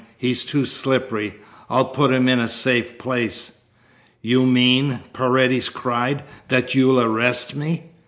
He's too slippery. I'll put him in a safe place." "You mean," Paredes cried, "that you'll arrest me?"